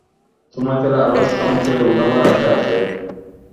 সময় পেলে আরও সংশয় ওঠাবার আশা আছে।